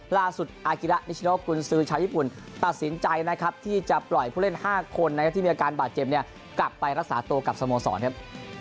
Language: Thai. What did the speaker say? ล่าสุดอากิระนิชโนกุญสือชาวญี่ปุ่นตัดสินใจนะครับที่จะปล่อยผู้เล่น๕คนนะครับที่มีอาการบาดเจ็บเนี่ยกลับไปรักษาตัวกับสโมสรครับ